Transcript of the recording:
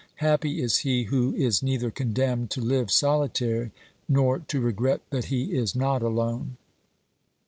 Happy is he who is neither condemned to live solitary, nor to regret that he is not alone.